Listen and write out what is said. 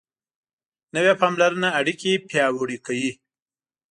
نوې پاملرنه اړیکې پیاوړې کوي